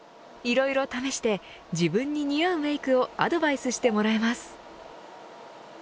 いろいろ試して自分に似合うメイクをアドバイスしてもらえます。